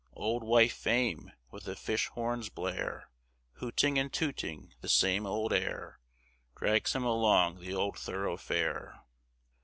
Old wife Fame, with a fish horn's blare Hooting and tooting the same old air, Drags him along the old thoroughfare.